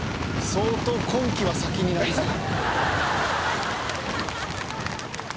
「相当婚期は先になりそう」